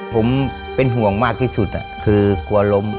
ผมเป็นห่วงมากที่สุดคือกลัวล้ม